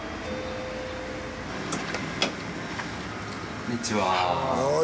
こんにちは。